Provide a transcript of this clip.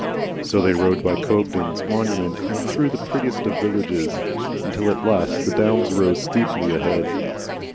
So they rode by Cobden's monument and through the prettiest of villages, until at last the downs rose steeply ahead.